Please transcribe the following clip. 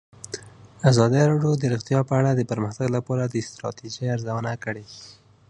ازادي راډیو د روغتیا په اړه د پرمختګ لپاره د ستراتیژۍ ارزونه کړې.